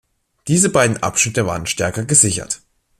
Diese beiden Abschnitte waren stärker gesichert.